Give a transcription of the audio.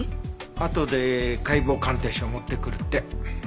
あとで解剖鑑定書持ってくるって。